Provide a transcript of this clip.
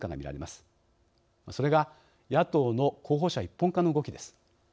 それが野党の候補者一本化の動きです。